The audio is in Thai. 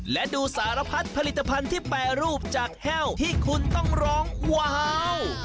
และดูสารพัดผลิตภัณฑ์ที่แปรรูปจากแห้วที่คุณต้องร้องว้าว